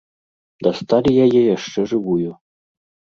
Дасталі яе яшчэ жывую.